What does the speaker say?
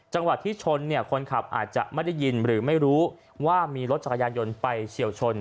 จังหวัดที่ชนเนี่ยคนขับอาจจะไม่ได้ยินหรือไม่รู้ว่ามีรถจักรยานยนต์ไปเฉียวชน